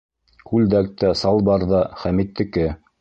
Күлдәк тә, салбар ҙа -Хәмиттеке!